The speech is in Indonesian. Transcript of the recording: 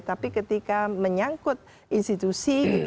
tapi ketika menyangkut institusi